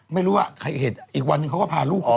ไม่รู้ไอ้เขาเอาเหตุการณ์อีกวันนึงพาก็พาลูกเข้าไป